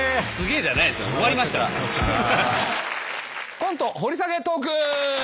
コント掘り下げトーク。